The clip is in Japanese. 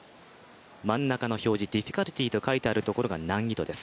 真ん中の表示ディフィカルティーと書いてあるところが難易度です。